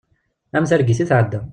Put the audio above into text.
Am targit i tɛedda.